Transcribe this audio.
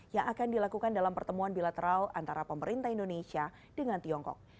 yang akan dilakukan dalam pertemuan bilateral antara pemerintah indonesia dengan tiongkok